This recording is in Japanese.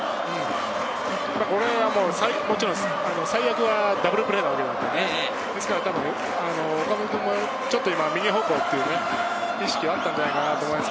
これはもう最悪はダブルプレーなわけで、岡本君もちょっと今、右方向っていう意識はあったんじゃないかなと思います。